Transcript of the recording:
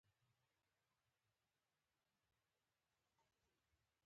د دوست څخه ګيله کول نه دي په کار.